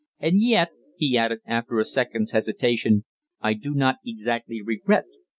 "And yet," he added, after a second's hesitation, "I do not exactly regret.